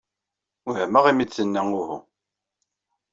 Wehmeɣ imi ay d-tenna uhu.